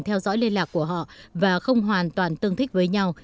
theo dõi liên lạc của họ và không hoàn toàn tương thích với nhau